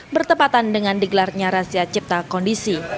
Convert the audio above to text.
bertepatan dengan digelarnya razia cipta kondisi